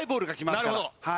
なるほど。